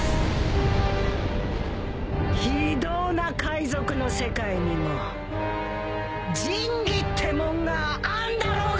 非道な海賊の世界にも仁義ってもんがあんだろうが！